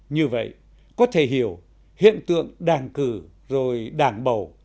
như vậy có thể hiểu hiện tượng đảng cử rồi đảng bầu